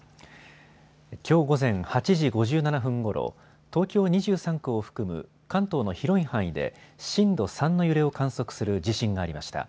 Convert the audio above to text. きょう午前８時５７分ごろ東京２３区を含む関東の広い範囲で震度３の揺れを観測する地震がありました。